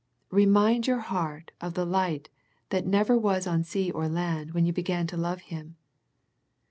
Remind your heart of the light that never was on sea or land when you began to love Him.